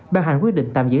bàn hành quyết định tạm giữ